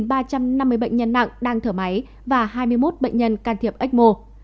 hai ba trăm năm mươi bệnh nhân nặng đang thở máy và hai mươi một bệnh nhân can thiệp ếch mô